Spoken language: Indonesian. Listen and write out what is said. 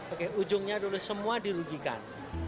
oke ujungnya dulu semua dirugikan